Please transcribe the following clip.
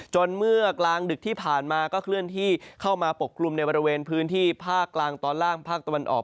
เมื่อกลางดึกที่ผ่านมาก็เคลื่อนที่เข้ามาปกกลุ่มในบริเวณพื้นที่ภาคกลางตอนล่างภาคตะวันออก